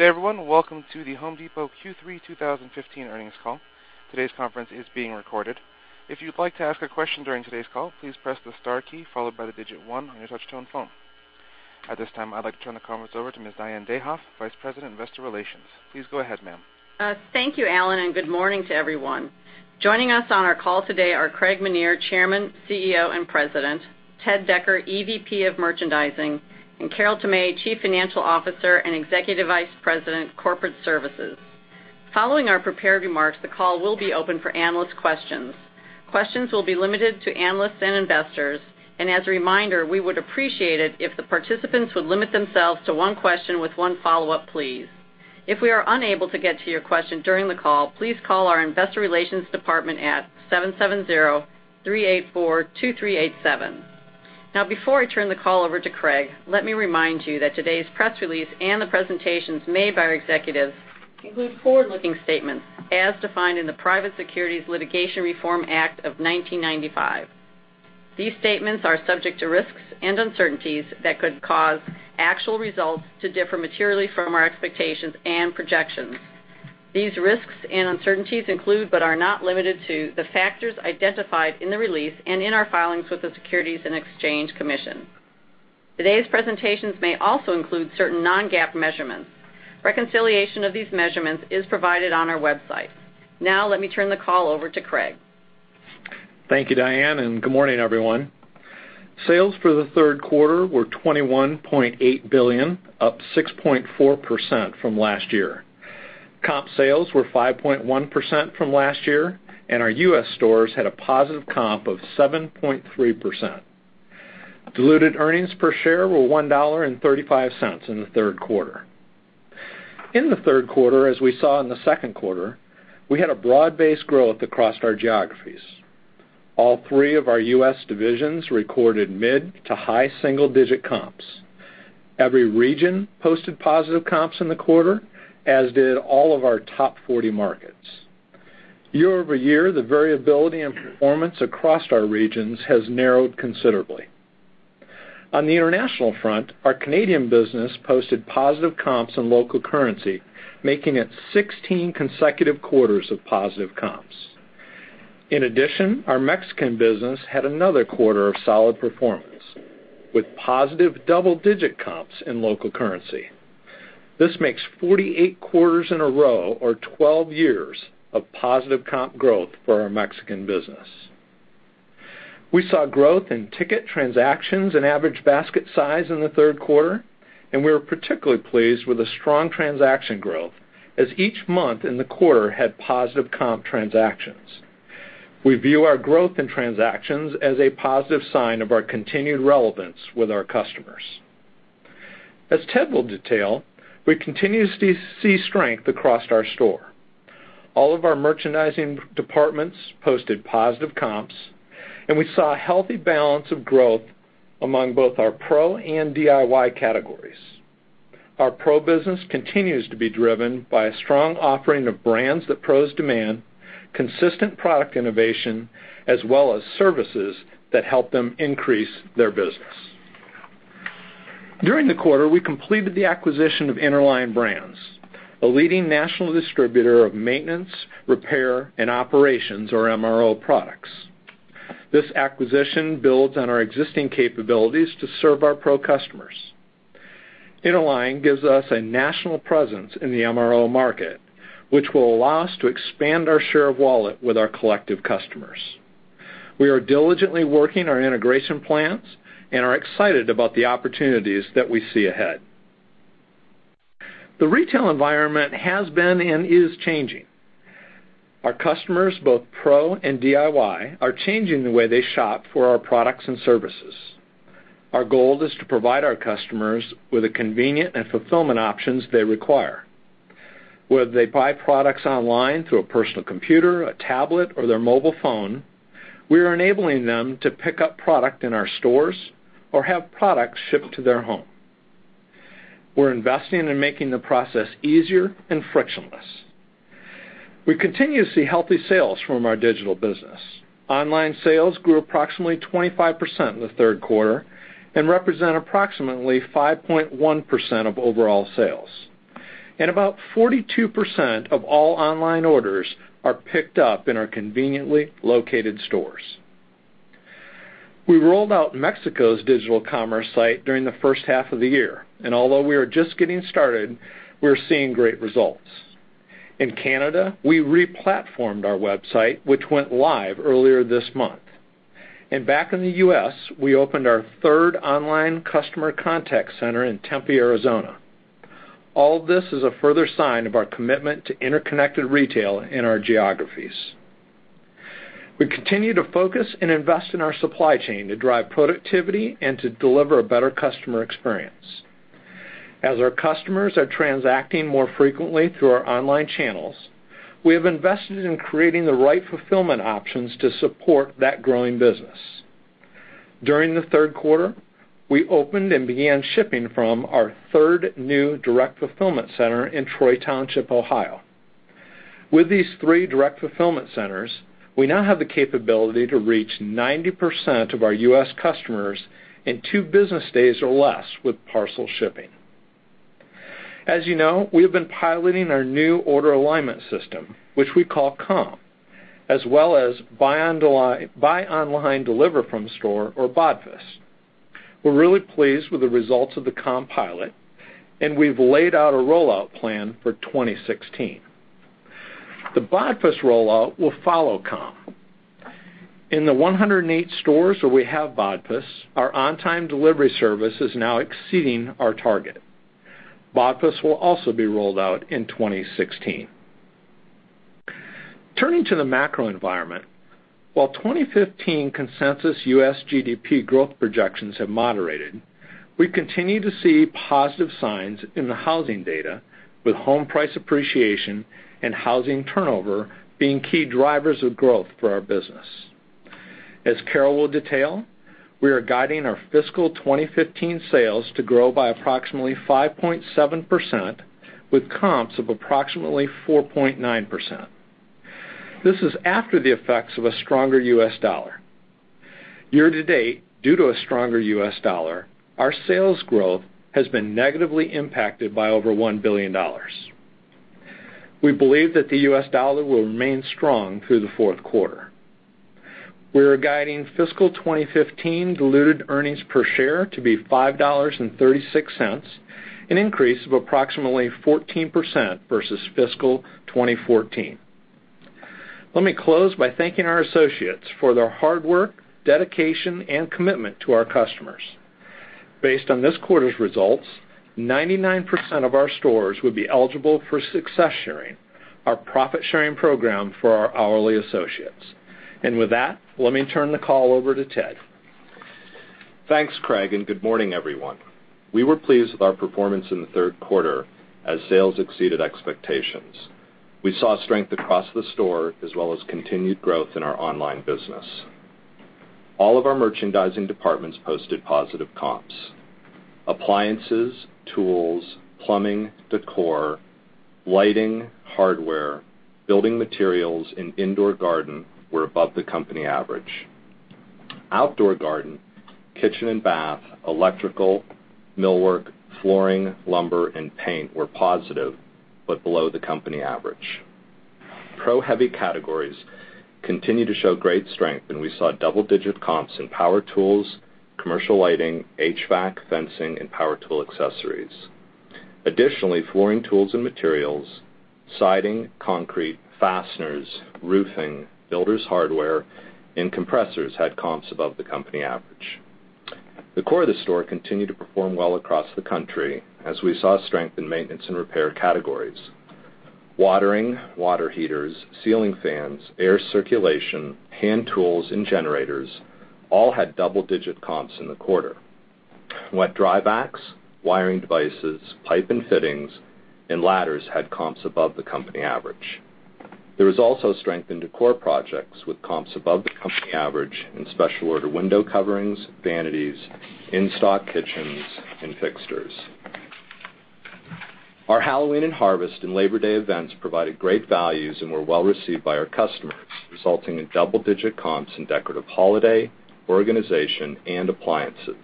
Good day, everyone. Welcome to The Home Depot Q3 2015 earnings call. Today's conference is being recorded. If you'd like to ask a question during today's call, please press the star key followed by the digit 1 on your touch-tone phone. At this time, I'd like to turn the conference over to Ms. Diane Dayhoff, Vice President, Investor Relations. Please go ahead, ma'am. Thank you, Alan, and good morning to everyone. Joining us on our call today are Craig Menear, Chairman, CEO, and President, Ted Decker, EVP of Merchandising, and Carol Tomé, Chief Financial Officer and Executive Vice President, Corporate Services. Following our prepared remarks, the call will be open for analyst questions. Questions will be limited to analysts and investors. As a reminder, we would appreciate it if the participants would limit themselves to one question with one follow-up, please. If we are unable to get to your question during the call, please call our investor relations department at 770-384-2387. Before I turn the call over to Craig, let me remind you that today's press release and the presentations made by our executives include forward-looking statements as defined in the Private Securities Litigation Reform Act of 1995. These statements are subject to risks and uncertainties that could cause actual results to differ materially from our expectations and projections. These risks and uncertainties include, but are not limited to, the factors identified in the release and in our filings with the Securities and Exchange Commission. Today's presentations may also include certain non-GAAP measurements. Reconciliation of these measurements is provided on our website. Let me turn the call over to Craig. Thank you, Diane, and good morning, everyone. Sales for the third quarter were $21.8 billion, up 6.4% from last year. Comp sales were 5.1% from last year, and our U.S. stores had a positive comp of 7.3%. Diluted earnings per share were $1.35 in the third quarter. In the third quarter, as we saw in the second quarter, we had a broad-based growth across our geographies. All three of our U.S. divisions recorded mid to high single-digit comps. Every region posted positive comps in the quarter, as did all of our top 40 markets. Year-over-year, the variability in performance across our regions has narrowed considerably. On the international front, our Canadian business posted positive comps in local currency, making it 16 consecutive quarters of positive comps. In addition, our Mexican business had another quarter of solid performance, with positive double-digit comps in local currency. This makes 48 quarters in a row or 12 years of positive comp growth for our Mexican business. We saw growth in ticket transactions and average basket size in the third quarter, and we were particularly pleased with the strong transaction growth as each month in the quarter had positive comp transactions. We view our growth in transactions as a positive sign of our continued relevance with our customers. As Ted Decker will detail, we continue to see strength across our store. All of our merchandising departments posted positive comps, and we saw a healthy balance of growth among both our pro and DIY categories. Our pro business continues to be driven by a strong offering of brands that pros demand, consistent product innovation, as well as services that help them increase their business. During the quarter, we completed the acquisition of Interline Brands, a leading national distributor of maintenance, repair, and operations or MRO products. This acquisition builds on our existing capabilities to serve our pro customers. Interline gives us a national presence in the MRO market, which will allow us to expand our share of wallet with our collective customers. We are diligently working our integration plans and are excited about the opportunities that we see ahead. The retail environment has been and is changing. Our customers, both pro and DIY, are changing the way they shop for our products and services. Our goal is to provide our customers with the convenient and fulfillment options they require. Whether they buy products online through a personal computer, a tablet, or their mobile phone, we are enabling them to pick up product in our stores or have products shipped to their home. We're investing in making the process easier and frictionless. We continue to see healthy sales from our digital business. Online sales grew approximately 25% in the third quarter and represent approximately 5.1% of overall sales. About 42% of all online orders are picked up in our conveniently located stores. We rolled out Mexico's digital commerce site during the first half of the year, and although we are just getting started, we're seeing great results. In Canada, we re-platformed our website, which went live earlier this month. Back in the U.S., we opened our third online customer contact center in Tempe, Arizona. All of this is a further sign of our commitment to interconnected retail in our geographies. We continue to focus and invest in our supply chain to drive productivity and to deliver a better customer experience. As our customers are transacting more frequently through our online channels, we have invested in creating the right fulfillment options to support that growing business. During the third quarter, we opened and began shipping from our third new direct fulfillment center in Troy Township, Ohio. With these three direct fulfillment centers, we now have the capability to reach 90% of our U.S. customers in two business days or less with parcel shipping. As you know, we have been piloting our new order alignment system, which we call COM, as well as Buy Online, Deliver from Store, or BODFS. We're really pleased with the results of the COM pilot, and we've laid out a rollout plan for 2016. The BODFS rollout will follow COM. In the 108 stores where we have BODFS, our on-time delivery service is now exceeding our target. BODFS will also be rolled out in 2016. Turning to the macro environment, while 2015 consensus U.S. GDP growth projections have moderated, we continue to see positive signs in the housing data with home price appreciation and housing turnover being key drivers of growth for our business. As Carol will detail, we are guiding our fiscal 2015 sales to grow by approximately 5.7%, with comps of approximately 4.9%. This is after the effects of a stronger U.S. dollar. Year-to-date, due to a stronger U.S. dollar, our sales growth has been negatively impacted by over $1 billion. We believe that the U.S. dollar will remain strong through the fourth quarter. We are guiding fiscal 2015 diluted earnings per share to be $5.36, an increase of approximately 14% versus fiscal 2014. Let me close by thanking our associates for their hard work, dedication, and commitment to our customers. Based on this quarter's results, 99% of our stores would be eligible for Success Sharing, our profit-sharing program for our hourly associates. With that, let me turn the call over to Ted. Thanks, Craig, good morning, everyone. We were pleased with our performance in the third quarter as sales exceeded expectations. We saw strength across the store as well as continued growth in our online business. All of our merchandising departments posted positive comps. Appliances, tools, plumbing, decor, lighting, hardware, building materials, and indoor garden were above the company average. Outdoor garden, kitchen and bath, electrical, millwork, flooring, lumber, and paint were positive, but below the company average. Pro heavy categories continue to show great strength, and we saw double-digit comps in power tools, commercial lighting, HVAC, fencing, and power tool accessories. Additionally, flooring tools and materials, siding, concrete, fasteners, roofing, builder's hardware, and compressors had comps above the company average. The core of the store continued to perform well across the country as we saw strength in maintenance and repair categories. Watering, water heaters, ceiling fans, air circulation, hand tools, and generators all had double-digit comps in the quarter, while dry vacs, wiring devices, pipe and fittings, and ladders had comps above the company average. There was also strength in decor projects with comps above the company average in special order window coverings, vanities, in-stock kitchens, and fixtures. Our Halloween and Harvest and Labor Day events provided great values and were well received by our customers, resulting in double-digit comps in decorative holiday, organization, and appliances.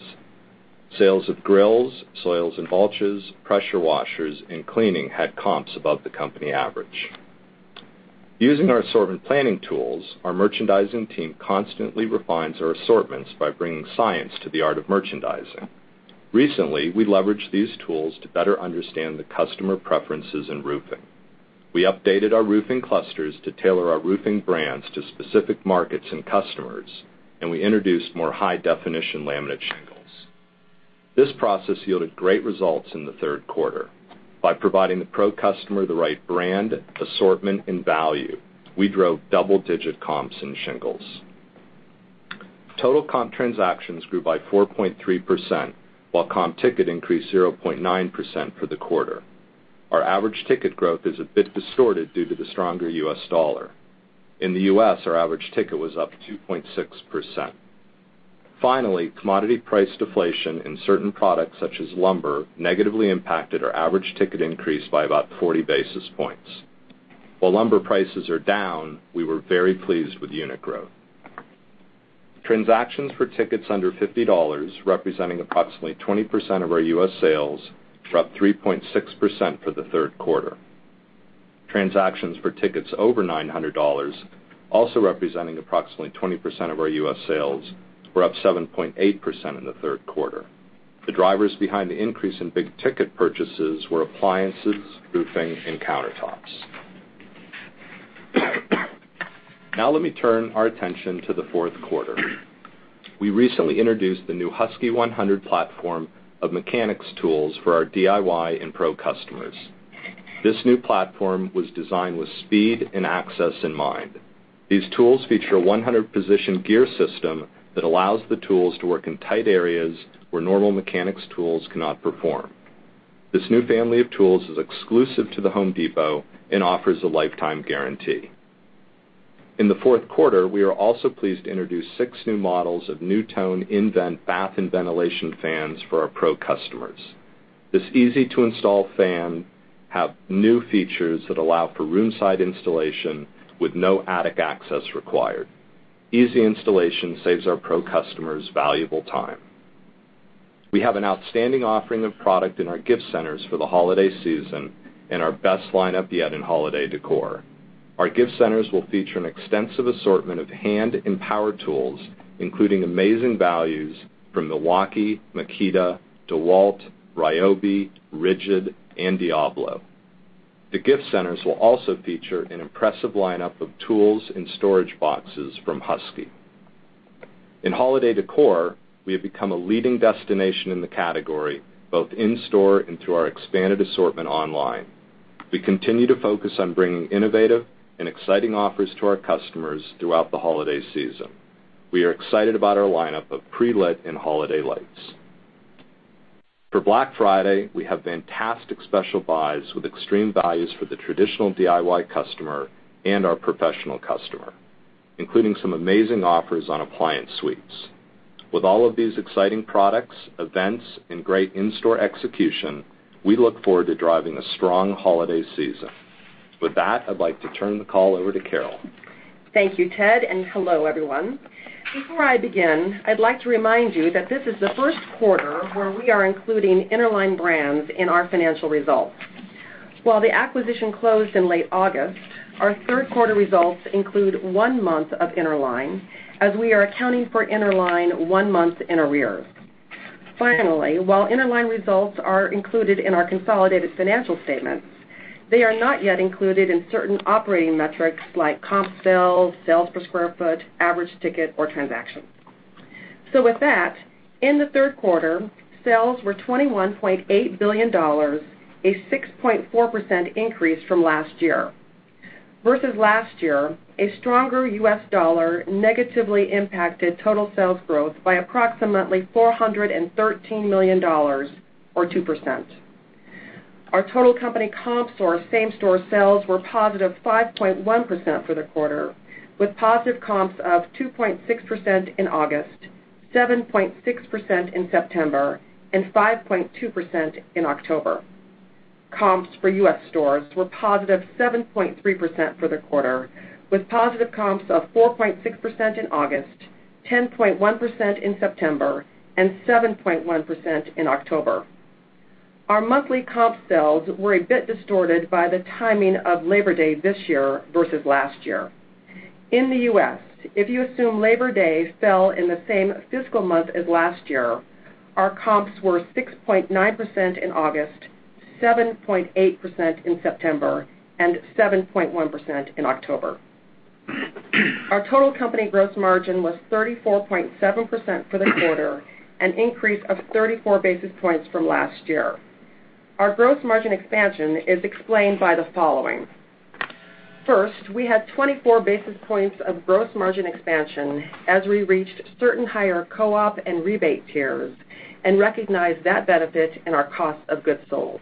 Sales of grills, soils and mulches, pressure washers, and cleaning had comps above the company average. Using our assortment planning tools, our merchandising team constantly refines our assortments by bringing science to the art of merchandising. Recently, we leveraged these tools to better understand the customer preferences in roofing. We updated our roofing clusters to tailor our roofing brands to specific markets and customers, and we introduced more high-definition laminate shingles. This process yielded great results in the third quarter. By providing the pro customer the right brand, assortment, and value, we drove double-digit comps in shingles. Total comp transactions grew by 4.3%, while comp ticket increased 0.9% for the quarter. Our average ticket growth is a bit distorted due to the stronger U.S. dollar. In the U.S., our average ticket was up 2.6%. Finally, commodity price deflation in certain products such as lumber negatively impacted our average ticket increase by about 40 basis points. While lumber prices are down, we were very pleased with unit growth. Transactions for tickets under $50, representing approximately 20% of our U.S. sales, were up 3.6% for the third quarter. Transactions for tickets over $900, also representing approximately 20% of our U.S. sales, were up 7.8% in the third quarter. The drivers behind the increase in big-ticket purchases were appliances, roofing, and countertops. Now let me turn our attention to the fourth quarter. We recently introduced the new Husky 100-Position platform of mechanics tools for our DIY and pro customers. This new platform was designed with speed and access in mind. These tools feature a 100-position gear system that allows the tools to work in tight areas where normal mechanics tools cannot perform. This new family of tools is exclusive to The Home Depot and offers a lifetime guarantee. In the fourth quarter, we are also pleased to introduce six new models of NuTone in-vent bath and ventilation fans for our pro customers. This easy-to-install fan have new features that allow for room-side installation with no attic access required. Easy installation saves our pro customers valuable time. We have an outstanding offering of product in our gift centers for the holiday season and our best lineup yet in holiday decor. Our gift centers will feature an extensive assortment of hand and power tools, including amazing values from Milwaukee, Makita, DeWalt, Ryobi, Ridgid, and Diablo. The gift centers will also feature an impressive lineup of tools and storage boxes from Husky. In holiday decor, we have become a leading destination in the category, both in-store and through our expanded assortment online. We continue to focus on bringing innovative and exciting offers to our customers throughout the holiday season. We are excited about our lineup of pre-lit and holiday lights. For Black Friday, we have fantastic special buys with extreme values for the traditional DIY customer and our professional customer, including some amazing offers on appliance suites. With all of these exciting products, events, and great in-store execution, we look forward to driving a strong holiday season. With that, I'd like to turn the call over to Carol. Thank you, Ted. Hello, everyone. Before I begin, I'd like to remind you that this is the first quarter where we are including Interline Brands in our financial results. While the acquisition closed in late August, our third quarter results include one month of Interline, as we are accounting for Interline one month in arrears. Finally, while Interline results are included in our consolidated financial statements, they are not yet included in certain operating metrics like comp sales per square foot, average ticket, or transaction. With that, in the third quarter, sales were $21.8 billion, a 6.4% increase from last year. Versus last year, a stronger U.S. dollar negatively impacted total sales growth by approximately $413 million, or 2%. Our total company comps or same-store sales were positive 5.1% for the quarter, with positive comps of 2.6% in August, 7.6% in September, and 5.2% in October. Comps for U.S. stores were positive 7.3% for the quarter, with positive comps of 4.6% in August, 10.1% in September, and 7.1% in October. Our monthly comp sales were a bit distorted by the timing of Labor Day this year versus last year. In the U.S., if you assume Labor Day fell in the same fiscal month as last year, our comps were 6.9% in August, 7.8% in September, and 7.1% in October. Our total company gross margin was 34.7% for the quarter, an increase of 34 basis points from last year. Our gross margin expansion is explained by the following. First, we had 24 basis points of gross margin expansion as we reached certain higher co-op and rebate tiers and recognized that benefit in our Cost of Goods Sold.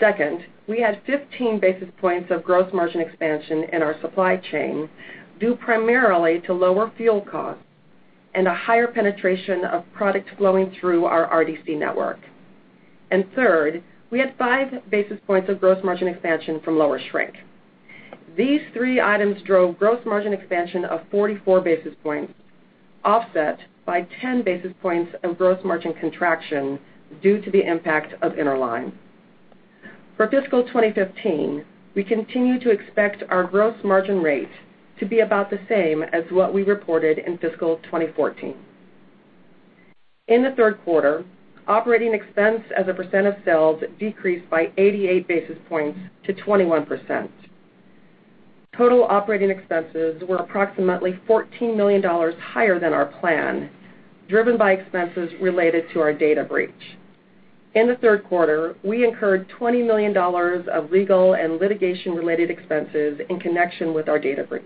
Second, we had 15 basis points of gross margin expansion in our supply chain, due primarily to lower fuel costs and a higher penetration of product flowing through our RDC network. Third, we had five basis points of gross margin expansion from lower shrink. These three items drove gross margin expansion of 44 basis points, offset by 10 basis points of gross margin contraction due to the impact of Interline. For fiscal 2015, we continue to expect our gross margin rate to be about the same as what we reported in fiscal 2014. In the third quarter, operating expense as a percent of sales decreased by 88 basis points to 21%. Total operating expenses were approximately $14 million higher than our plan, driven by expenses related to our data breach. In the third quarter, we incurred $20 million of legal and litigation-related expenses in connection with our data breach.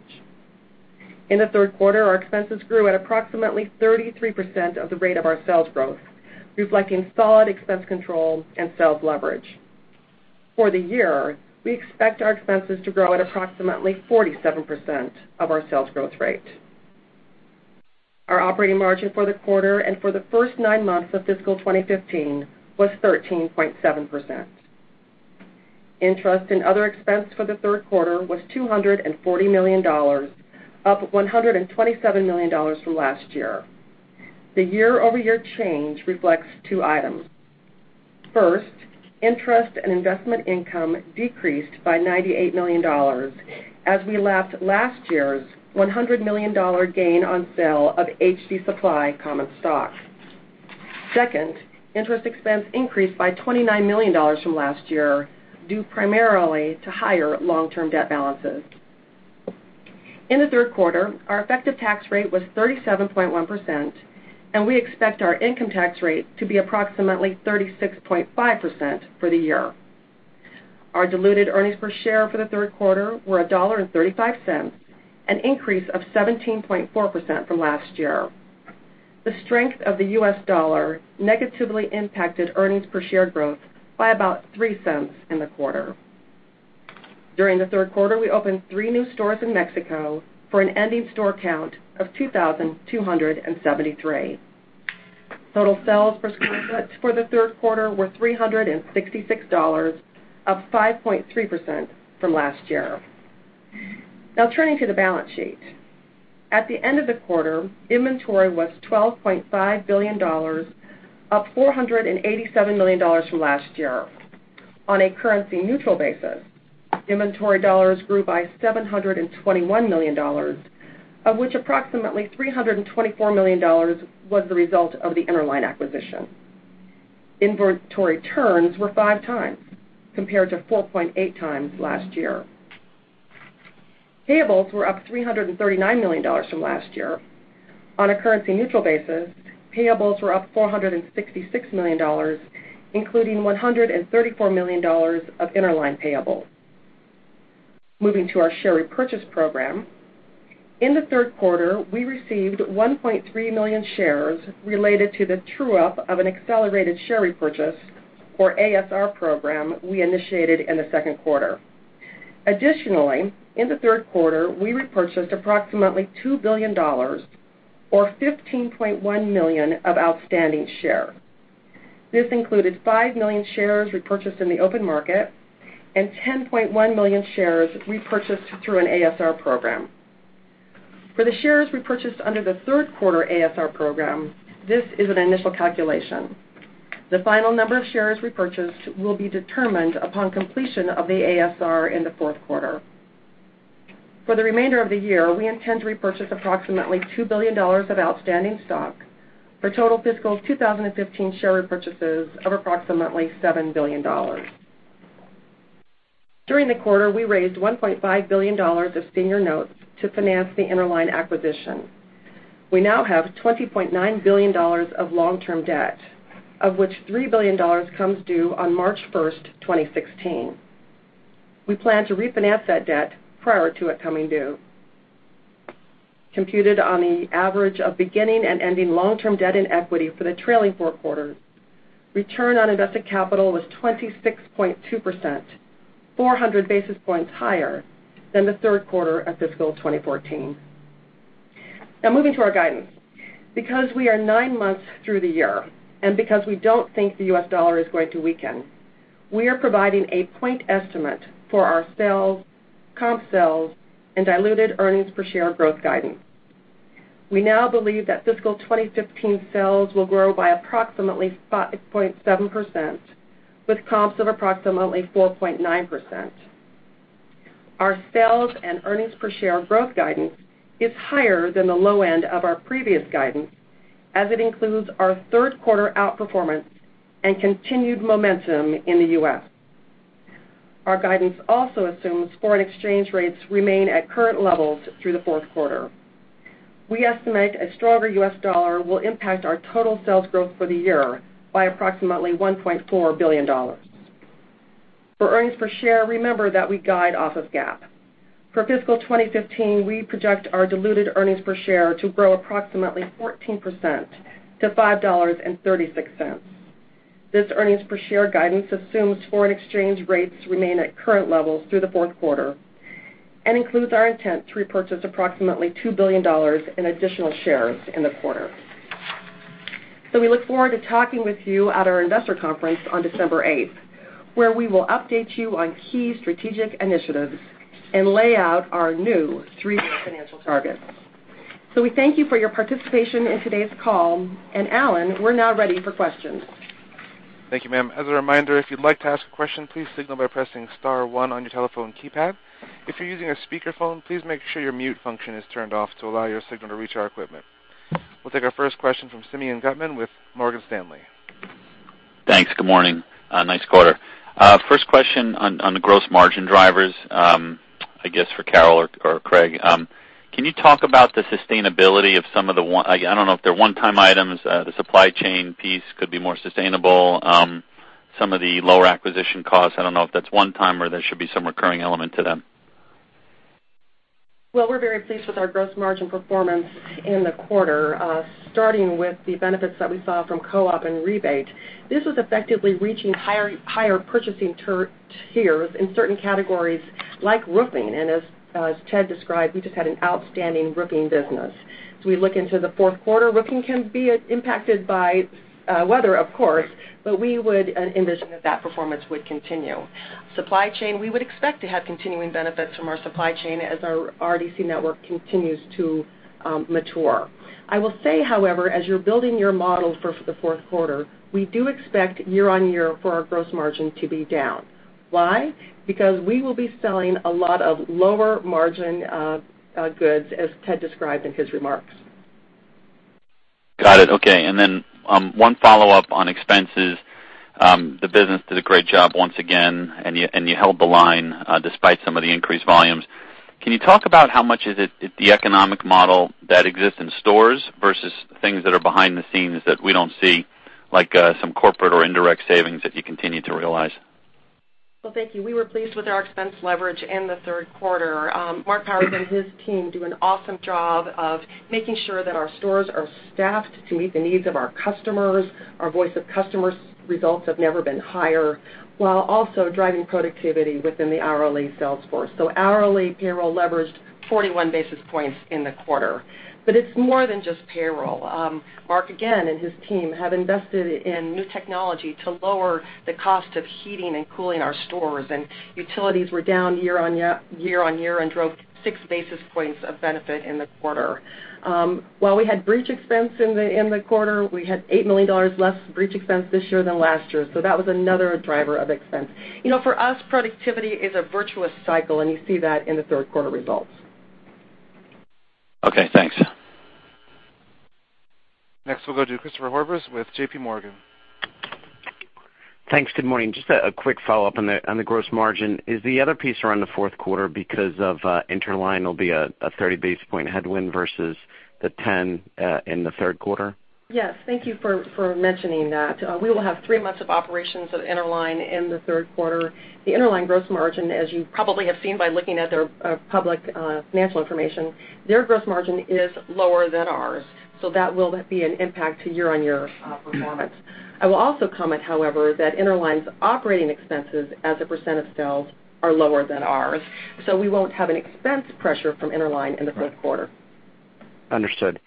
In the third quarter, our expenses grew at approximately 33% of the rate of our sales growth, reflecting solid expense control and sales leverage. For the year, we expect our expenses to grow at approximately 47% of our sales growth rate. Our operating margin for the quarter and for the first nine months of fiscal 2015 was 13.7%. Interest and other expense for the third quarter was $240 million, up $127 million from last year. The year-over-year change reflects two items. First, interest and investment income decreased by $98 million as we lapped last year's $100 million gain on sale of HD Supply common stock. Second, interest expense increased by $29 million from last year, due primarily to higher long-term debt balances. In the third quarter, our effective tax rate was 37.1%, and we expect our income tax rate to be approximately 36.5% for the year. Our diluted earnings per share for the third quarter were $1.35, an increase of 17.4% from last year. The strength of the U.S. dollar negatively impacted earnings per share growth by about $0.03 in the quarter. During the third quarter, we opened three new stores in Mexico for an ending store count of 2,273. Total sales per square foot for the third quarter were $366, up 5.3% from last year. Now turning to the balance sheet. At the end of the quarter, inventory was $12.5 billion, up $487 million from last year. On a currency-neutral basis, inventory dollars grew by $721 million, of which approximately $324 million was the result of the Interline acquisition. Inventory turns were five times, compared to 4.8 times last year. Payables were up $339 million from last year. On a currency-neutral basis, payables were up $466 million, including $134 million of Interline payables. Moving to our share repurchase program. In the third quarter, we received 1.3 million shares related to the true-up of an accelerated share repurchase or ASR program we initiated in the second quarter. Additionally, in the third quarter, we repurchased approximately $2 billion, or 15.1 million of outstanding shares. This included 5 million shares repurchased in the open market and 10.1 million shares repurchased through an ASR program. For the shares repurchased under the third quarter ASR program, this is an initial calculation. The final number of shares repurchased will be determined upon completion of the ASR in the fourth quarter. For the remainder of the year, we intend to repurchase approximately $2 billion of outstanding stock for total fiscal 2015 share repurchases of approximately $7 billion. During the quarter, we raised $1.5 billion of senior notes to finance the Interline acquisition. We now have $20.9 billion of long-term debt, of which $3 billion comes due on March 1st, 2016. We plan to refinance that debt prior to it coming due. Computed on the average of beginning and ending long-term debt and equity for the trailing four quarters, return on invested capital was 26.2%, 400 basis points higher than the third quarter of fiscal 2014. Now, moving to our guidance. Because we are 9 months through the year, and because we don't think the U.S. dollar is going to weaken, we are providing a point estimate for our sales, comp sales, and diluted earnings per share growth guidance. We now believe that fiscal 2015 sales will grow by approximately 5.7%, with comps of approximately 4.9%. Our sales and earnings per share growth guidance is higher than the low end of our previous guidance, as it includes our third quarter outperformance and continued momentum in the U.S. Our guidance also assumes foreign exchange rates remain at current levels through the fourth quarter. We estimate a stronger U.S. dollar will impact our total sales growth for the year by approximately $1.4 billion. For earnings per share, remember that we guide off of GAAP. For fiscal 2015, we project our diluted earnings per share to grow approximately 14% to $5.36. This earnings per share guidance assumes foreign exchange rates remain at current levels through the fourth quarter and includes our intent to repurchase approximately $2 billion in additional shares in the quarter. We look forward to talking with you at our investor conference on December 8th, where we will update you on key strategic initiatives and lay out our new three-year financial targets. We thank you for your participation in today's call. Alan, we're now ready for questions. Thank you, ma'am. As a reminder, if you'd like to ask a question, please signal by pressing *1 on your telephone keypad. If you're using a speakerphone, please make sure your mute function is turned off to allow your signal to reach our equipment. We'll take our first question from Simeon Gutman with Morgan Stanley. Thanks. Good morning. Nice quarter. First question on the gross margin drivers, I guess, for Carol or Craig. Can you talk about the sustainability of some of the, I don't know if they're one-time items. The supply chain piece could be more sustainable. Some of the lower acquisition costs, I don't know if that's one time or there should be some recurring element to them. Well, we're very pleased with our gross margin performance in the quarter. Starting with the benefits that we saw from co-op and rebate. This was effectively reaching higher purchasing tiers in certain categories like roofing. As Ted described, we just had an outstanding roofing business. As we look into the fourth quarter, roofing can be impacted by weather, of course, but we would envision that that performance would continue. Supply chain, we would expect to have continuing benefits from our supply chain as our RDC network continues to mature. I will say, however, as you're building your model for the fourth quarter, we do expect year-over-year for our gross margin to be down. Why? Because we will be selling a lot of lower-margin goods, as Ted described in his remarks. Got it. Okay. One follow-up on expenses. The business did a great job once again, and you held the line despite some of the increased volumes. Can you talk about how much is it the economic model that exists in stores versus things that are behind the scenes that we don't see, like some corporate or indirect savings that you continue to realize? Well, thank you. We were pleased with our expense leverage in the third quarter. Marc Powers and his team do an awesome job of making sure that our stores are staffed to meet the needs of our customers. Our Voice of Customer results have never been higher, while also driving productivity within the hourly sales force. Hourly payroll leveraged 41 basis points in the quarter. It's more than just payroll. Mark, again, and his team, have invested in new technology to lower the cost of heating and cooling our stores, and utilities were down year-on-year and drove six basis points of benefit in the quarter. While we had breach expense in the quarter, we had $8 million less breach expense this year than last year, so that was another driver of expense. For us, productivity is a virtuous cycle, and you see that in the third quarter results. Okay, thanks. Next, we'll go to Christopher Horvers with JPMorgan. Thanks. Good morning. Just a quick follow-up on the gross margin. Is the other piece around the fourth quarter because of Interline will be a 30 basis point headwind versus the 10 in the third quarter? Yes. Thank you for mentioning that. We will have three months of operations at Interline in the third quarter. The Interline gross margin, as you probably have seen by looking at their public financial information, their gross margin is lower than ours. That will be an impact to year-on-year performance. I will also comment, however, that Interline's operating expenses as a % of sales are lower than ours. We won't have an expense pressure from Interline in the fourth quarter. Understood.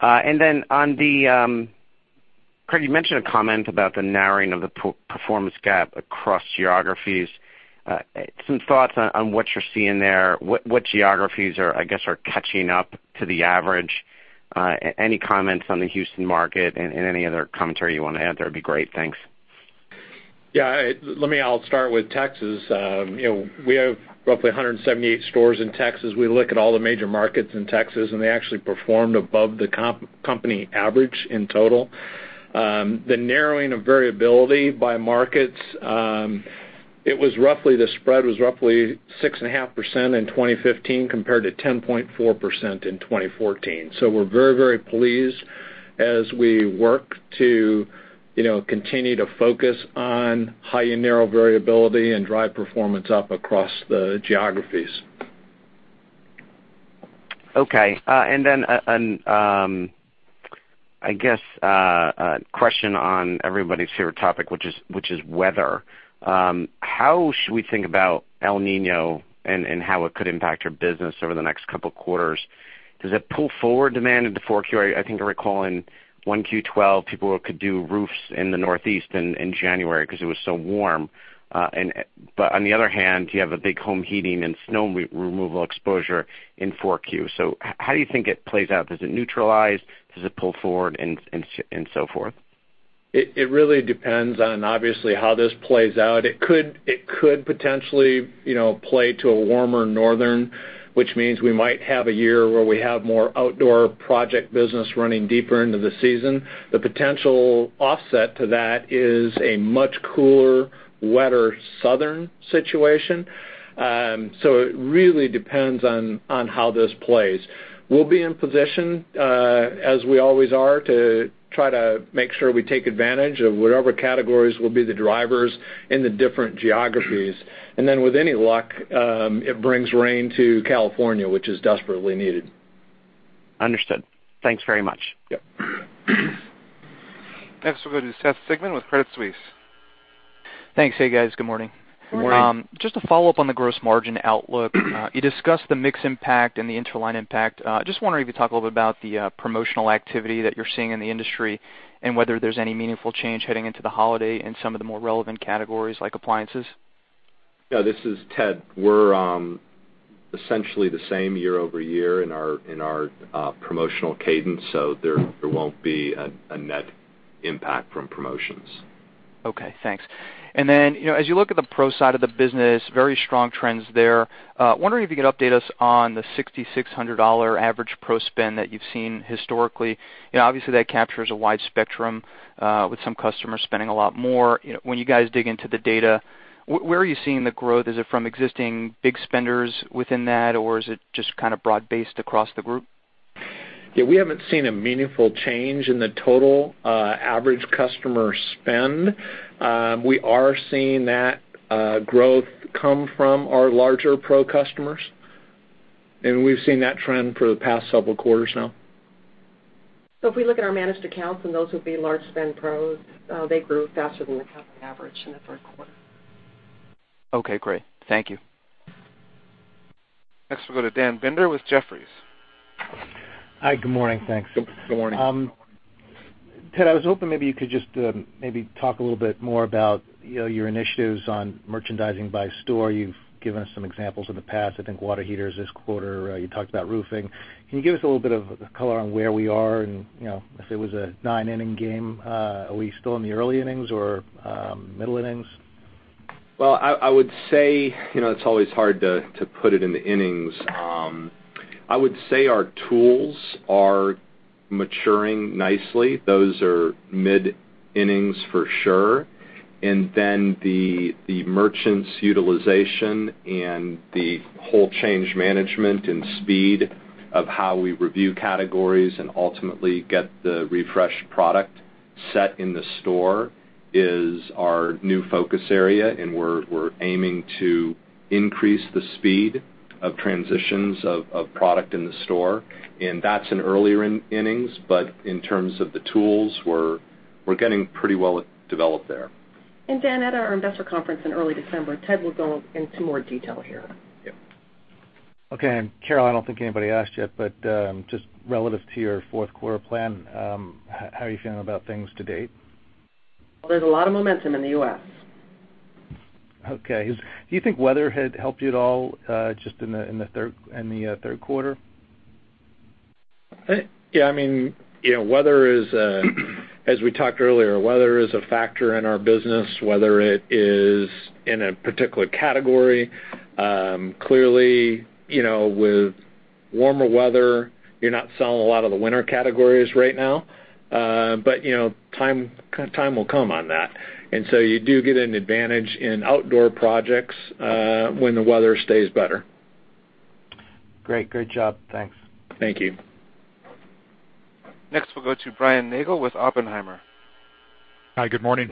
Craig, you mentioned a comment about the narrowing of the performance gap across geographies. Some thoughts on what you're seeing there. What geographies are, I guess, are catching up to the average? Any comments on the Houston market and any other commentary you want to add there would be great. Thanks. Yeah. I'll start with Texas. We have roughly 178 stores in Texas. We look at all the major markets in Texas, they actually performed above the company average in total. The narrowing of variability by markets, the spread was roughly 6.5% in 2015 compared to 10.4% in 2014. We're very pleased as we work to continue to focus on high and narrow variability and drive performance up across the geographies. Okay. I guess a question on everybody's favorite topic, which is weather. How should we think about El Niño and how it could impact your business over the next couple of quarters? Does it pull forward demand into 4Q? I think I recall in 1Q12, people could do roofs in the Northeast in January because it was so warm. On the other hand, you have a big home heating and snow removal exposure in 4Q. How do you think it plays out? Does it neutralize? Does it pull forward and so forth? It really depends on, obviously, how this plays out. It could potentially play to a warmer northern, which means we might have a year where we have more outdoor project business running deeper into the season. The potential offset to that is a much cooler, wetter southern situation. It really depends on how this plays. We'll be in position, as we always are, to try to make sure we take advantage of whatever categories will be the drivers in the different geographies. With any luck, it brings rain to California, which is desperately needed. Understood. Thanks very much. Yep. Next, we'll go to Seth Sigman with Credit Suisse. Thanks. Hey, guys. Good morning. Good morning. Just a follow-up on the gross margin outlook. You discussed the mix impact and the Interline impact. Just wondering if you could talk a little bit about the promotional activity that you're seeing in the industry and whether there's any meaningful change heading into the holiday in some of the more relevant categories, like appliances. Yeah, this is Ted. We're essentially the same year-over-year in our promotional cadence, so there won't be a net impact from promotions. Okay, thanks. As you look at the pro side of the business, very strong trends there. Wondering if you could update us on the $6,600 average pro spend that you've seen historically. Obviously, that captures a wide spectrum, with some customers spending a lot more. When you guys dig into the data, where are you seeing the growth? Is it from existing big spenders within that, or is it just kind of broad-based across the group? Yeah. We haven't seen a meaningful change in the total average customer spend. We are seeing that growth come from our larger pro customers, and we've seen that trend for the past several quarters now. If we look at our managed accounts, and those would be large spend pros, they grew faster than the company average in the third quarter. Okay, great. Thank you. Next, we'll go to Dan Binder with Jefferies. Hi, good morning. Thanks. Good morning. Ted, I was hoping maybe you could just maybe talk a little bit more about your initiatives on merchandising by store. You've given us some examples in the past. I think water heaters this quarter. You talked about roofing. Can you give us a little bit of color on where we are? If it was a nine-inning game, are we still in the early innings or middle innings? I would say it's always hard to put it into innings. I would say our tools are maturing nicely. Those are mid-innings for sure. Then the merchant's utilization and the whole change management and speed of how we review categories and ultimately get the refreshed product set in the store is our new focus area. We're aiming to increase the speed of transitions of product in the store. That's in earlier innings, but in terms of the tools, we're getting pretty well developed there. Dan, at our investor conference in early December, Ted will go into more detail here. Yep. Okay. Carol, I don't think anybody asked yet. Just relative to your fourth quarter plan, how are you feeling about things to date? There's a lot of momentum in the U.S. Okay. Do you think weather had helped you at all just in the third quarter? Yeah. As we talked earlier, weather is a factor in our business, whether it is in a particular category. Clearly, with warmer weather, you're not selling a lot of the winter categories right now. Time will come on that. You do get an advantage in outdoor projects when the weather stays better. Great. Good job. Thanks. Thank you. Next, we'll go to Brian Nagel with Oppenheimer. Hi. Good morning.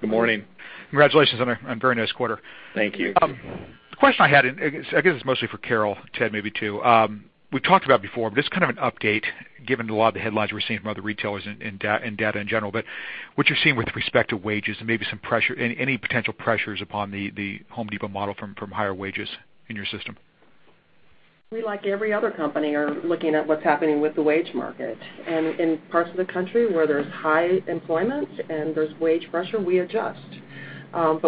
Good morning. Congratulations on a very nice quarter. Thank you. The question I had, I guess it's mostly for Carol, Ted maybe too. We talked about before, just kind of an update, given a lot of the headlines we're seeing from other retailers and data in general. What you're seeing with respect to wages and any potential pressures upon The Home Depot model from higher wages in your system. We, like every other company, are looking at what's happening with the wage market. In parts of the country where there's high employment and there's wage pressure, we adjust.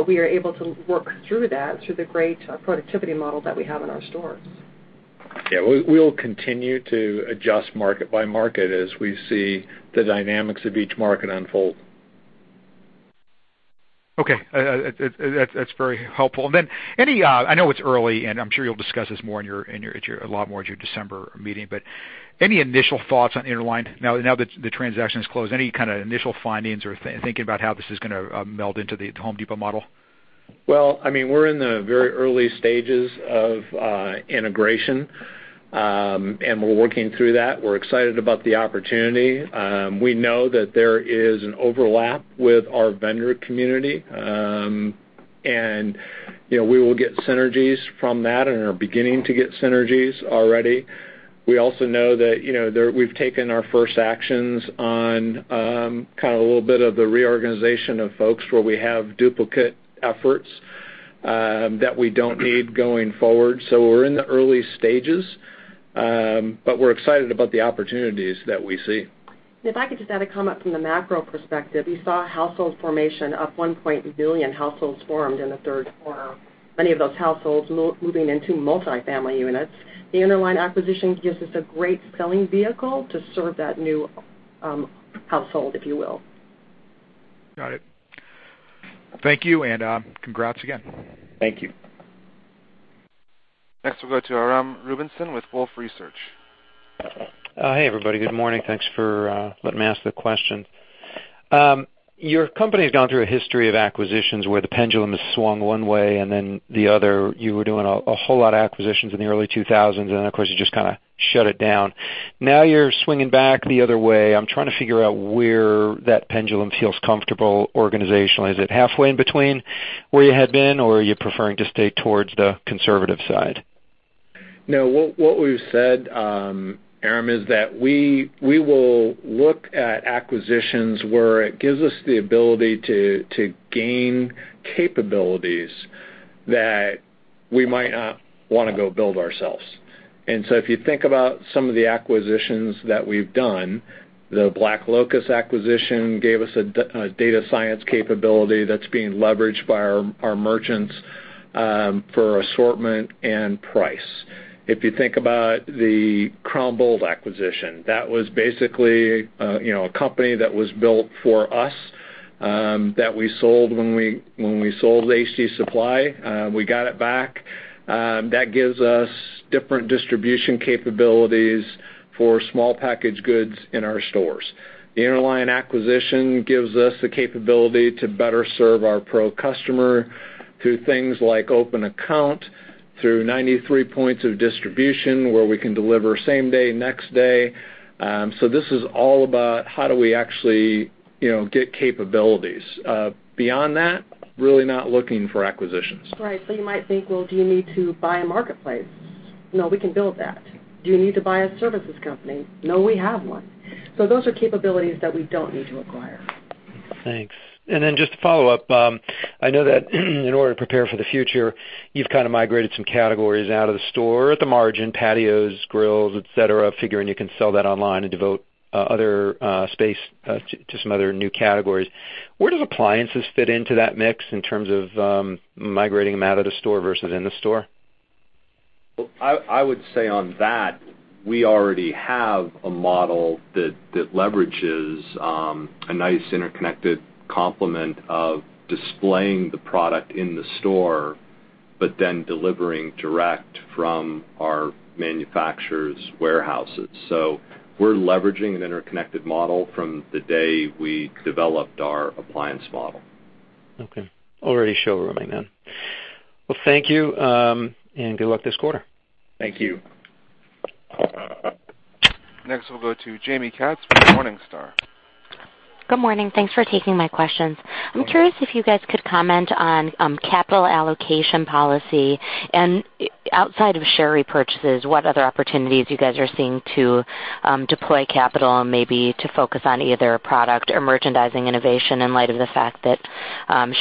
We are able to work through that through the great productivity model that we have in our stores. Yeah. We'll continue to adjust market by market as we see the dynamics of each market unfold. That's very helpful. I know it's early, and I'm sure you'll discuss this a lot more at your December meeting. Any initial thoughts on Interline now that the transaction is closed? Any kind of initial findings or thinking about how this is going to meld into The Home Depot model? Well, we're in the very early stages of integration. We're working through that. We're excited about the opportunity. We know that there is an overlap with our vendor community. We will get synergies from that and are beginning to get synergies already. We also know that we've taken our first actions on a little bit of the reorganization of folks where we have duplicate efforts that we don't need going forward. We're in the early stages. We're excited about the opportunities that we see. If I could just add a comment from the macro perspective, we saw household formation up 1.1 billion households formed in the third quarter. Many of those households moving into multifamily units. The Interline acquisition gives us a great selling vehicle to serve that new household, if you will. Got it. Thank you, congrats again. Thank you. Next, we'll go to Aram Rubinson with Wolfe Research. Hey, everybody. Good morning. Thanks for letting me ask the question. Your company has gone through a history of acquisitions where the pendulum has swung one way and then the other. You were doing a whole lot of acquisitions in the early 2000s, of course, you just shut it down. Now you're swinging back the other way. I'm trying to figure out where that pendulum feels comfortable organizationally. Is it halfway in between where you had been, or are you preferring to stay towards the conservative side? No. What we've said, Aram, is that we will look at acquisitions where it gives us the ability to gain capabilities that we might not want to go build ourselves. If you think about some of the acquisitions that we've done, the BlackLocus acquisition gave us a data science capability that's being leveraged by our merchants for assortment and price. If you think about the Crown Bolt acquisition, that was basically a company that was built for us, that we sold when we sold AC Supply. We got it back. That gives us different distribution capabilities for small packaged goods in our stores. The Interline acquisition gives us the capability to better serve our pro customer through things like open account, through 93 points of distribution where we can deliver same day, next day. This is all about how do we actually get capabilities. Beyond that, really not looking for acquisitions. Right. You might think, well, do you need to buy a marketplace? No, we can build that. Do you need to buy a services company? No, we have one. Those are capabilities that we don't need to acquire. Thanks. Just to follow up, I know that in order to prepare for the future, you've migrated some categories out of the store at the margin, patios, grills, et cetera, figuring you can sell that online and devote other space to some other new categories. Where does appliances fit into that mix in terms of migrating them out of the store versus in the store? I would say on that, we already have a model that leverages a nice interconnected complement of displaying the product in the store, but then delivering direct from our manufacturer's warehouses. We're leveraging an interconnected model from the day we developed our appliance model. Okay. Already showrooming then. Well, thank you, and good luck this quarter. Thank you. Next, we'll go to Jaime Katz from Morningstar. Good morning. Thanks for taking my questions. Sure. I'm curious if you guys could comment on capital allocation policy and outside of share repurchases, what other opportunities you guys are seeing to deploy capital and maybe to focus on either product or merchandising innovation in light of the fact that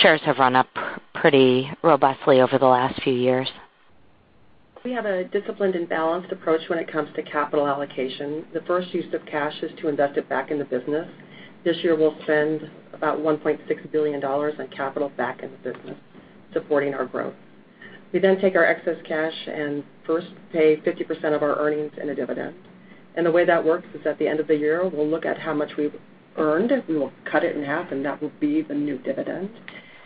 shares have run up pretty robustly over the last few years. We have a disciplined and balanced approach when it comes to capital allocation. The first use of cash is to invest it back in the business. This year, we'll spend about $1.6 billion on capital back in the business supporting our growth. The way that works is, at the end of the year, we'll look at how much we've earned. We will cut it in half, and that will be the new dividend.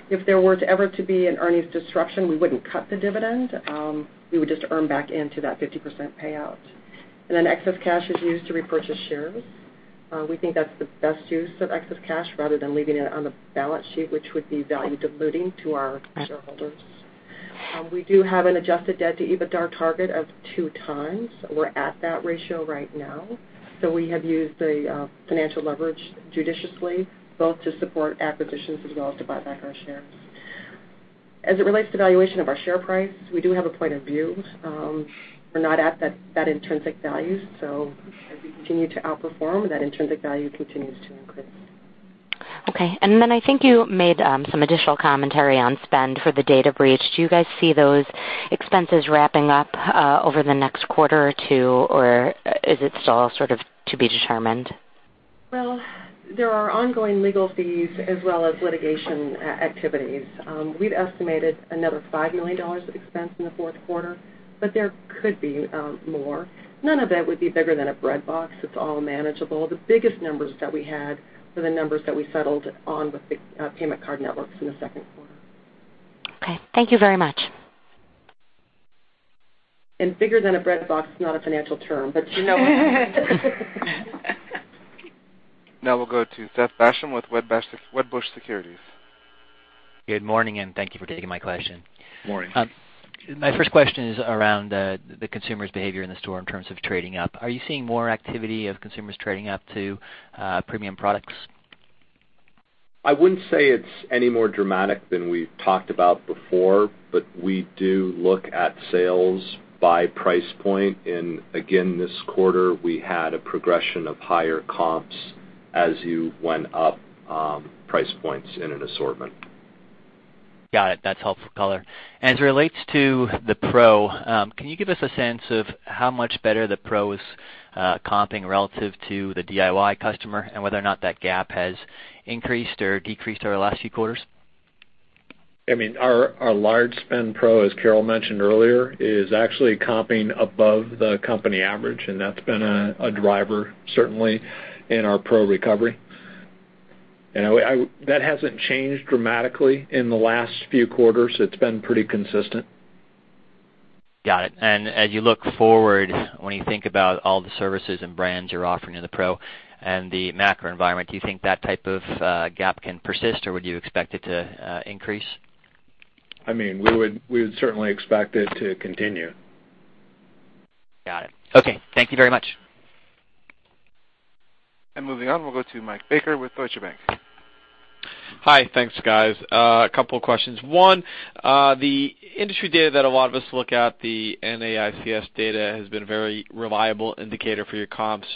If there were ever to be an earnings disruption, we wouldn't cut the dividend. We would just earn back into that 50% payout. Then excess cash is used to repurchase shares. We think that's the best use of excess cash rather than leaving it on the balance sheet, which would be value diluting to our shareholders. We do have an adjusted debt to EBITDA target of 2x. We're at that ratio right now. We have used the financial leverage judiciously, both to support acquisitions as well as to buy back our shares. As it relates to valuation of our share price, we do have a point of view. We're not at that intrinsic value, so as we continue to outperform, that intrinsic value continues to increase. Okay. Then I think you made some additional commentary on spend for the data breach. Do you guys see those expenses wrapping up over the next quarter or two, or is it still to be determined? Well, there are ongoing legal fees as well as litigation activities. We've estimated another $5 million of expense in the fourth quarter, there could be more. None of it would be bigger than a bread box. It's all manageable. The biggest numbers that we had were the numbers that we settled on with the payment card networks in the second quarter. Okay. Thank you very much. Bigger than a bread box is not a financial term, you know what I mean. Now we'll go to Seth Basham with Wedbush Securities. Good morning, and thank you for taking my question. Morning. My first question is around the consumer's behavior in the store in terms of trading up. Are you seeing more activity of consumers trading up to premium products? I wouldn't say it's any more dramatic than we've talked about before, but we do look at sales by price point. Again, this quarter, we had a progression of higher comps as you went up price points in an assortment. Got it. That's helpful color. As it relates to the Pro, can you give us a sense of how much better the Pro is comping relative to the DIY customer and whether or not that gap has increased or decreased over the last few quarters? I mean, our large spend Pro, as Carol mentioned earlier, is actually comping above the company average. That's been a driver, certainly, in our Pro recovery. That hasn't changed dramatically in the last few quarters. It's been pretty consistent. Got it. As you look forward, when you think about all the services and brands you're offering in the Pro and the macro environment, do you think that type of gap can persist, or would you expect it to increase? I mean, we would certainly expect it to continue. Got it. Okay. Thank you very much. Moving on, we'll go to Michael Baker with Deutsche Bank. Hi. Thanks, guys. A couple of questions. One, the industry data that a lot of us look at, the NAICS data, has been a very reliable indicator for your comps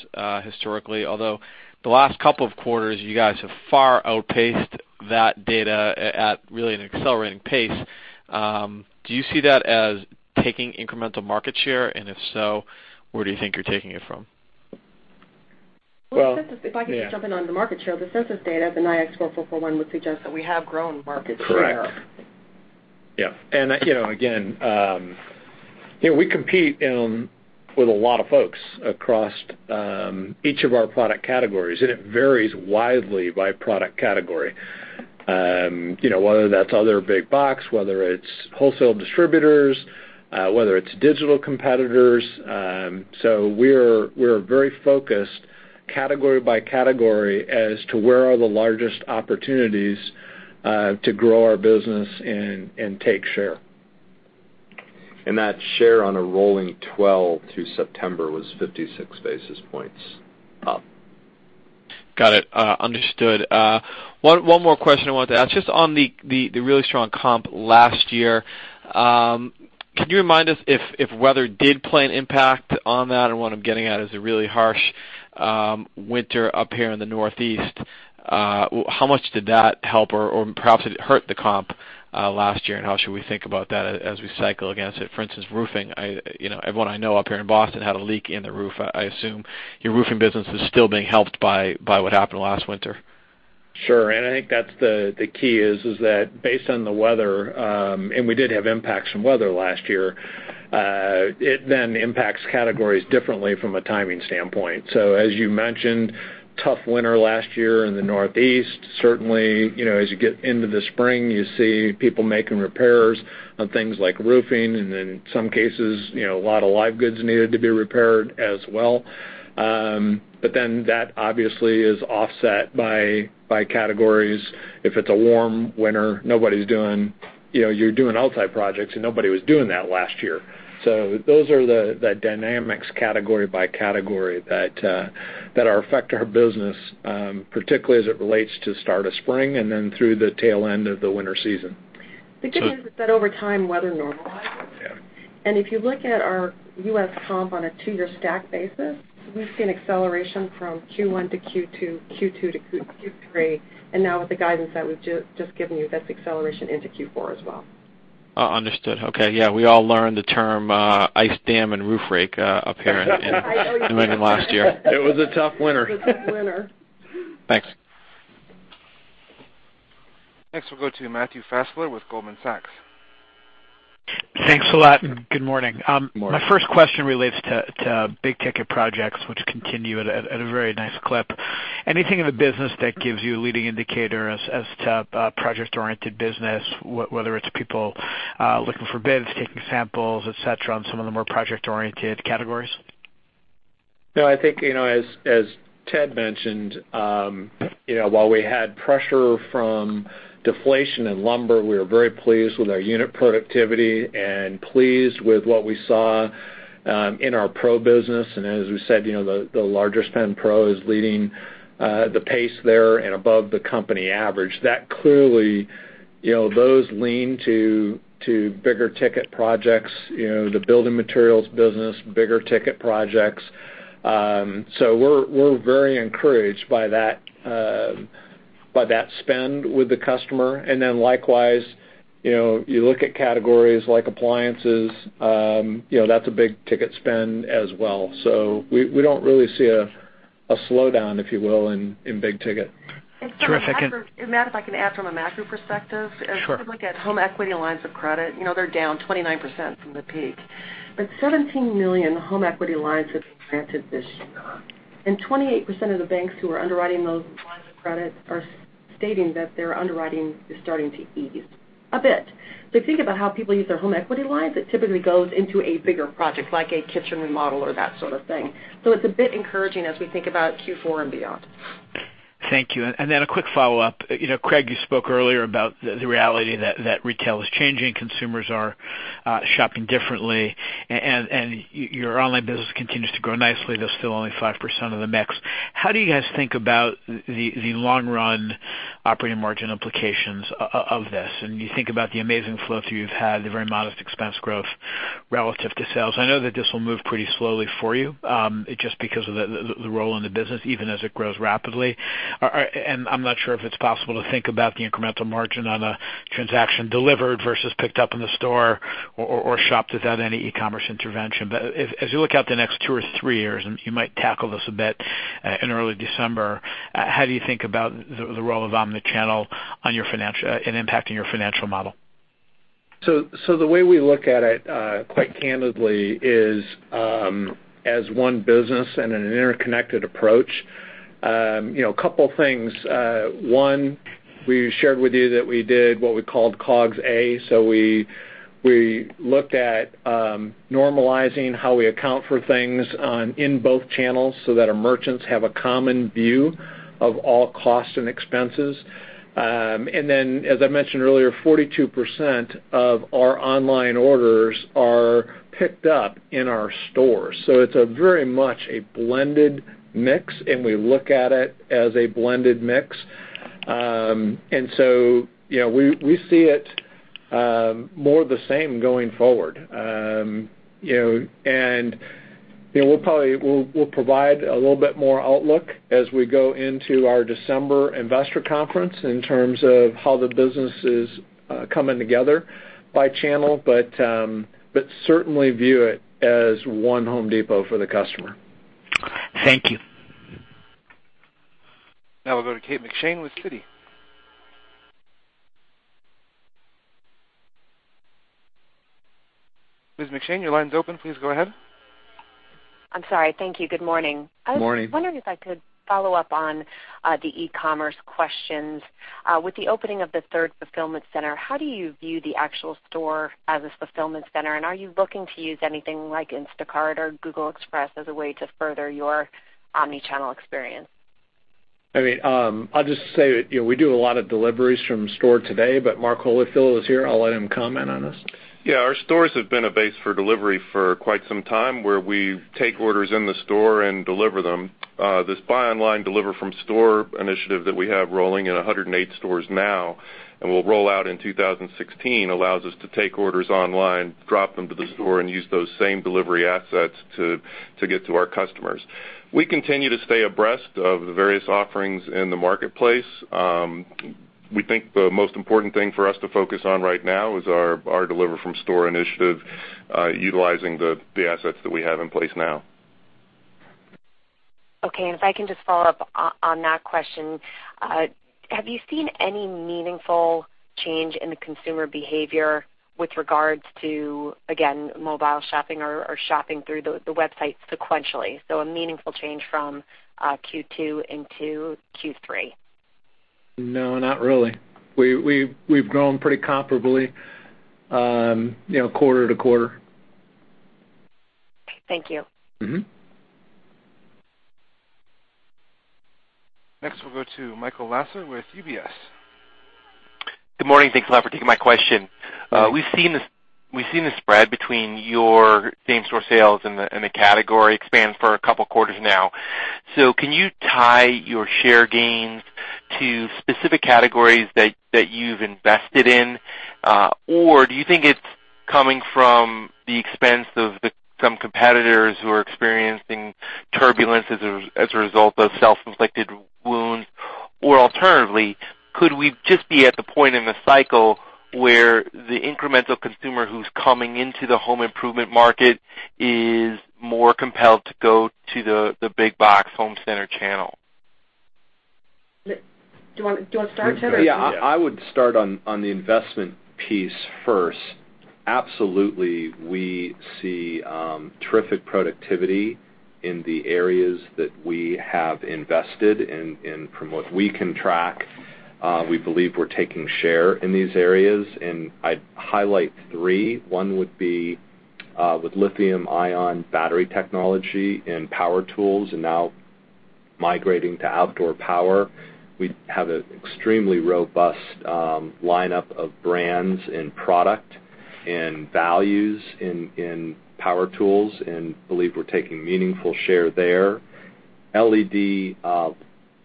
historically. Although the last couple of quarters, you guys have far outpaced that data at really an accelerating pace. Do you see that as taking incremental market share? If so, where do you think you're taking it from? Well- If I could just jump in on the market share. The census data, the NAICS 4441, would suggest that we have grown market share. Correct. Yeah. Again, we compete with a lot of folks across each of our product categories, and it varies widely by product category. Whether that's other big box, whether it's wholesale distributors, whether it's digital competitors. We're very focused category by category as to where are the largest opportunities to grow our business and take share. That share on a rolling 12 to September was 56 basis points up. Got it. Understood. One more question I wanted to ask, just on the really strong comp last year. Can you remind us if weather did play an impact on that? What I'm getting at is the really harsh winter up here in the Northeast. How much did that help, or perhaps did it hurt the comp last year, and how should we think about that as we cycle against it? For instance, roofing. Everyone I know up here in Boston had a leak in their roof. I assume your roofing business is still being helped by what happened last winter. Sure. I think that's the key is that based on the weather, and we did have impacts from weather last year, it then impacts categories differently from a timing standpoint. As you mentioned, tough winter last year in the Northeast. Certainly, as you get into the spring, you see people making repairs on things like roofing, and in some cases, a lot of live goods needed to be repaired as well. That obviously is offset by categories. If it's a warm winter, you're doing outside projects, and nobody was doing that last year. Those are the dynamics, category by category that are affecting our business, particularly as it relates to start of spring and then through the tail end of the winter season. The good news is that over time, weather normalizes. Yeah. If you look at our U.S. comp on a two-year stack basis, we've seen acceleration from Q1 to Q2 to Q3, and now with the guidance that we've just given you, that's acceleration into Q4 as well. Understood. Okay. Yeah, we all learned the term ice dam and roof rake up here in New England last year. It was a tough winter. It was a tough winter. Thanks. Next, we'll go to Matthew Fassler with Goldman Sachs. Thanks a lot. Good morning. Morning. My first question relates to big-ticket projects, which continue at a very nice clip. Anything in the business that gives you a leading indicator as to project-oriented business, whether it's people looking for bids, taking samples, et cetera, on some of the more project-oriented categories? No, I think, as Ted mentioned, while we had pressure from deflation in lumber, we were very pleased with our unit productivity and pleased with what we saw in our pro business. As we said, the larger spend pro is leading the pace there and above the company average. Those lean to bigger ticket projects, the building materials business, bigger ticket projects. We're very encouraged by that spend with the customer. Likewise, you look at categories like appliances, that's a big-ticket spend as well. We don't really see a slowdown, if you will, in big ticket. Sure. Matt, if I can add from a macro perspective. Sure. If you look at home equity lines of credit, they're down 29% from the peak. 17 million home equity lines have been granted this year, and 28% of the banks who are underwriting those lines of credit are stating that their underwriting is starting to ease a bit. Think about how people use their home equity lines. It typically goes into a bigger project, like a kitchen remodel or that sort of thing. It's a bit encouraging as we think about Q4 and beyond. Thank you. A quick follow-up. Craig, you spoke earlier about the reality that retail is changing, consumers are shopping differently, and your online business continues to grow nicely. That's still only 5% of the mix. How do you guys think about the long-run operating margin implications of this? You think about the amazing flow through you've had, the very modest expense growth relative to sales. I know that this will move pretty slowly for you, just because of the role in the business, even as it grows rapidly. I'm not sure if it's possible to think about the incremental margin on a transaction delivered versus picked up in the store or shopped without any e-commerce intervention. As you look out the next two or three years, and you might tackle this a bit in early December, how do you think about the role of omnichannel in impacting your financial model? The way we look at it, quite candidly, is as one business and in an interconnected approach. A couple of things. One, we shared with you that we did what we called COGS A. We looked at normalizing how we account for things in both channels so that our merchants have a common view of all costs and expenses. Then, as I mentioned earlier, 42% of our online orders are picked up in our stores. It's very much a blended mix, and we look at it as a blended mix. We see it more the same going forward. We'll provide a little bit more outlook as we go into our December investor conference in terms of how the business is coming together by channel, but certainly view it as one Home Depot for the customer. Thank you. We'll go to Kate McShane with Citi. Ms. McShane, your line's open. Please go ahead. I'm sorry. Thank you. Good morning. Morning. I was wondering if I could follow up on the e-commerce questions. With the opening of the third fulfillment center, how do you view the actual store as a fulfillment center? Are you looking to use anything like Instacart or Google Express as a way to further your omnichannel experience? I mean, I'll just say, we do a lot of deliveries from store today. Mark Holifield is here. I'll let him comment on this. Yeah. Our stores have been a base for delivery for quite some time, where we take orders in the store and deliver them. This Buy Online, Deliver From Store initiative that we have rolling in 108 stores now, we'll roll out in 2016, allows us to take orders online, drop them to the store, and use those same delivery assets to get to our customers. We continue to stay abreast of the various offerings in the marketplace. We think the most important thing for us to focus on right now is our Deliver From Store initiative, utilizing the assets that we have in place now. Okay. If I can just follow up on that question. Have you seen any meaningful change in the consumer behavior with regards to, again, mobile shopping or shopping through the website sequentially? A meaningful change from Q2 into Q3. No, not really. We've grown pretty comparably quarter-to-quarter. Thank you. Next, we'll go to Michael Lasser with UBS. Good morning. Thanks a lot for taking my question. We've seen the spread between your same-store sales and the category expand for a couple of quarters now. Can you tie your share gains to specific categories that you've invested in? Do you think it's coming from the expense of some competitors who are experiencing turbulence as a result of self-inflicted wounds? Alternatively, could we just be at the point in the cycle where the incremental consumer who's coming into the home improvement market is more compelled to go to the big box home center channel? Do you want to start, Ted? Yeah. Yeah. I would start on the investment piece first. Absolutely, we see terrific productivity in the areas that we have invested in. From what we can track, we believe we're taking share in these areas, and I'd highlight three. One would be with lithium-ion battery technology and power tools and now migrating to outdoor power. We have an extremely robust lineup of brands and product and values in power tools and believe we're taking meaningful share there. LED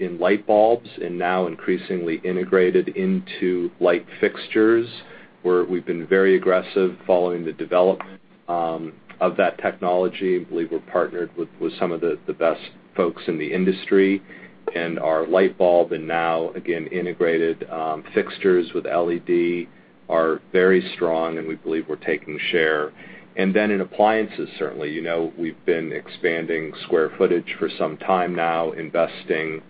in light bulbs and now increasingly integrated into light fixtures, where we've been very aggressive following the development of that technology. I believe we're partnered with some of the best folks in the industry, and our light bulb and now, again, integrated fixtures with LED are very strong, and we believe we're taking share. Then in appliances, certainly. We've been expanding square footage for some time now, investing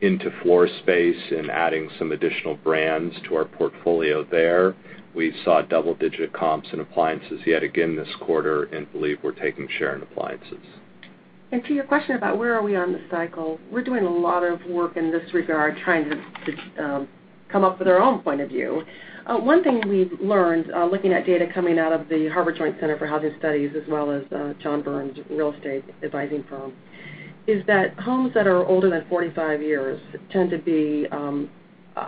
into floor space and adding some additional brands to our portfolio there. We saw double-digit comps in appliances yet again this quarter and believe we're taking share in appliances. To your question about where are we on the cycle, we're doing a lot of work in this regard, trying to come up with our own point of view. One thing we've learned, looking at data coming out of the Joint Center for Housing Studies of Harvard University, as well as John Burns Real Estate Consulting, is that homes that are older than 45 years tend to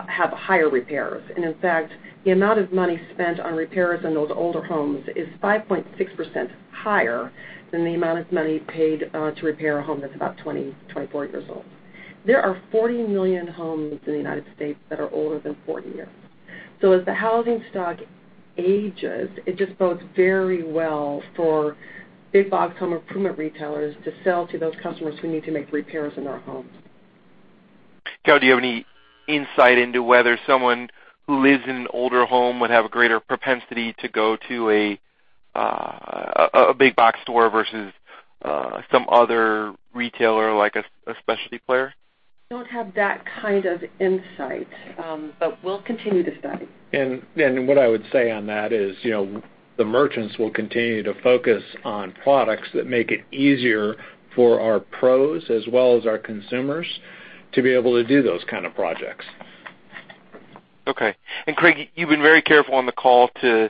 have higher repairs. In fact, the amount of money spent on repairs on those older homes is 5.6% higher than the amount of money paid to repair a home that's about 20, 24 years old. There are 40 million homes in the U.S. that are older than 40 years. As the housing stock ages, it just bodes very well for big-box home improvement retailers to sell to those customers who need to make repairs in their homes. Carol, do you have any insight into whether someone who lives in an older home would have a greater propensity to go to a big-box store versus some other retailer, like a specialty player? Don't have that kind of insight. We'll continue to study. What I would say on that is the merchants will continue to focus on products that make it easier for our pros as well as our consumers to be able to do those kind of projects. Okay. Craig, you've been very careful on the call to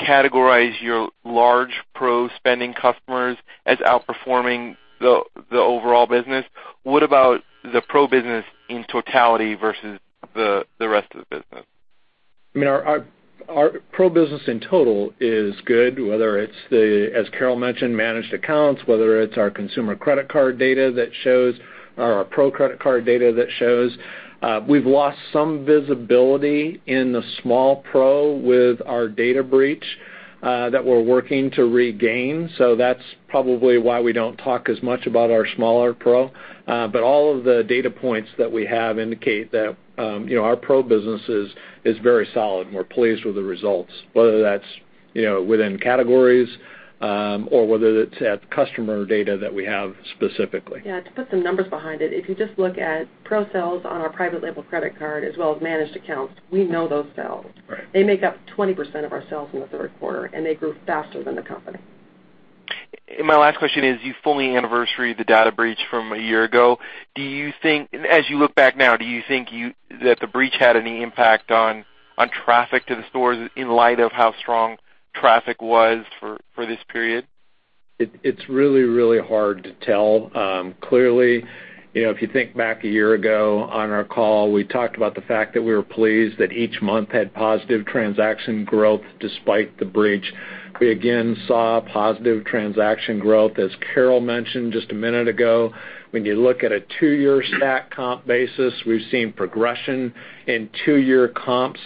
categorize your large pro-spending customers as outperforming the overall business. What about the pro business in totality versus the rest of the business? Our pro business in total is good, whether it's the, as Carol mentioned, managed accounts, whether it's our consumer credit card data that shows or our pro credit card data that shows. We've lost some visibility in the small pro with our data breach that we're working to regain. That's probably why we don't talk as much about our smaller pro. All of the data points that we have indicate that our pro business is very solid, and we're pleased with the results, whether that's within categories or whether that's at customer data that we have specifically. Yeah. To put some numbers behind it, if you just look at pro sales on our private label credit card as well as managed accounts, we know those sales. Right. They make up 20% of our sales in the third quarter, they grew faster than the company. My last question is, you fully anniversary the data breach from a year ago. As you look back now, do you think that the breach had any impact on traffic to the stores in light of how strong traffic was for this period? It's really hard to tell. Clearly, if you think back a year ago on our call, we talked about the fact that we were pleased that each month had positive transaction growth despite the breach. We again saw positive transaction growth, as Carol mentioned just a minute ago. When you look at a two-year stack comp basis, we've seen progression in two-year comps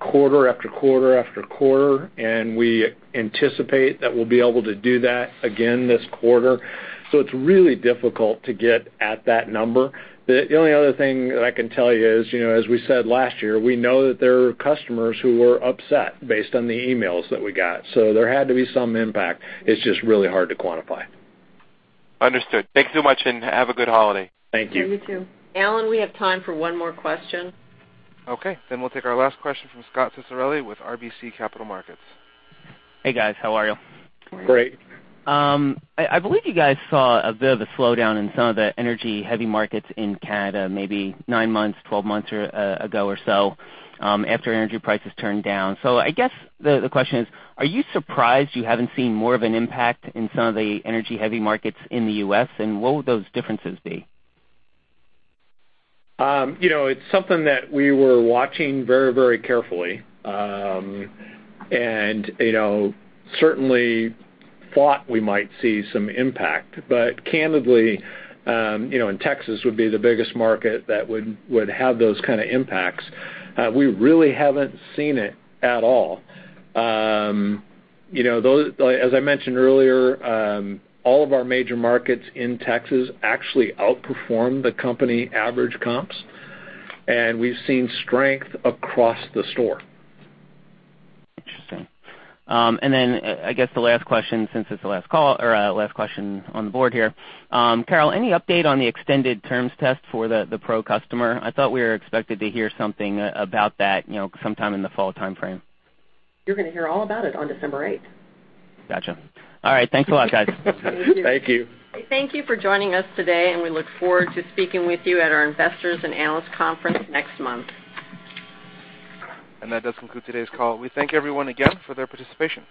quarter after quarter after quarter, and we anticipate that we'll be able to do that again this quarter. It's really difficult to get at that number. The only other thing that I can tell you is, as we said last year, we know that there are customers who were upset based on the emails that we got. There had to be some impact. It's just really hard to quantify. Understood. Thank you so much, and have a good holiday. Thank you. Yeah, you too. Alan, we have time for one more question. Okay. We'll take our last question from Scot Ciccarelli with RBC Capital Markets. Hey, guys. How are you. Great. Great. I believe you guys saw a bit of a slowdown in some of the energy-heavy markets in Canada, maybe nine months, 12 months ago or so, after energy prices turned down. I guess the question is, are you surprised you haven't seen more of an impact in some of the energy-heavy markets in the U.S., what would those differences be? It's something that we were watching very carefully and certainly thought we might see some impact. Candidly, Texas would be the biggest market that would have those kind of impacts, we really haven't seen it at all. As I mentioned earlier, all of our major markets in Texas actually outperformed the company average comps, we've seen strength across the store. Interesting. I guess the last question, since it's the last call or last question on the board here. Carol, any update on the extended terms test for the pro customer? I thought we were expected to hear something about that sometime in the fall timeframe. You're going to hear all about it on December eighth. Gotcha. All right. Thanks a lot, guys. Thank you. Thank you. Thank you for joining us today. We look forward to speaking with you at our Investors and Analysts Conference next month. That does conclude today's call. We thank everyone again for their participation.